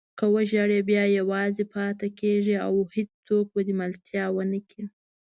که وژاړې بیا یوازې پاتې کېږې او هېڅوک به دې ملتیا ونه کړي.